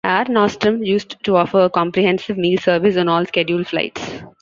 Air Nostrum used to offer a comprehensive meal service on all scheduled flights.